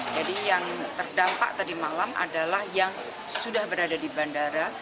yang terdampak tadi malam adalah yang sudah berada di bandara